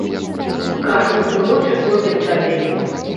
Кажуць, уночы пойдзем далей.